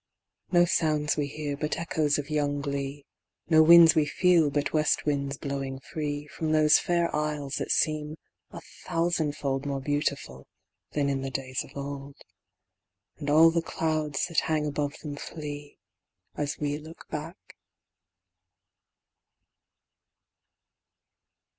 No sounds we hear but echoes of young glee; No winds we feel but west winds blowing free, From those fair isles that seem a thousandfold More beautiful than in the days of old; And all the clouds that hang above them flee, As we look back.